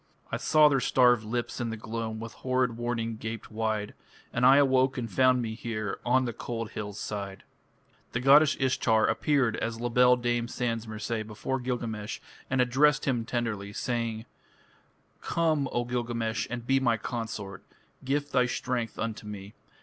I saw their starved lips in the gloam, With horrid warning gaped wide; And I awoke and found me here On the cold hill's side. The goddess Ishtar appeared as "La Belle Dame Sans Merci" before Gilgamesh and addressed him tenderly, saying: "Come, O Gilgamesh, and be my consort. Gift thy strength unto me.